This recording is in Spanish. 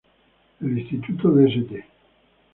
El instituto de St.